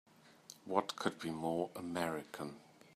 What could be more American!